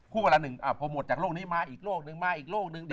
คู่กันละหนึ่งโพโมทจากโรคนี้มาอีกโรคนึงมาอีกโรคนึง